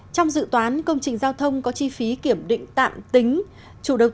trong dự toán công trình giao thông có chi phí kiểm định tạm tính